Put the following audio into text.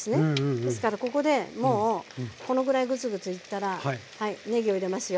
ですからここでもうこのぐらいグツグツいったらねぎを入れますよ。